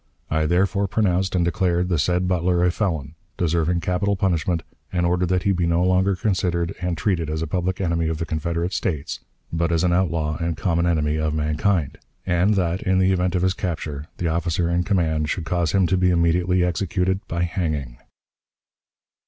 I therefore pronounced and declared the said Butler a felon, deserving capital punishment, and ordered that he be no longer considered and treated as a public enemy of the Confederate States, but as an outlaw and common enemy of mankind; and that, in the event of his capture, the officer in command should cause him to be immediately executed by hanging.